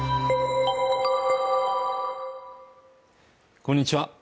こんにちは